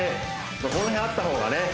この辺あったほうがね